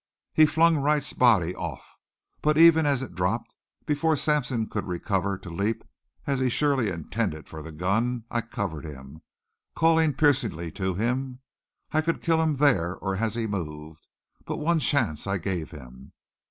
He flung Wright's body off. But even as it dropped, before Sampson could recover to leap as he surely intended for the gun, I covered him, called piercingly to him. I could kill him there or as he moved. But one chance I gave him.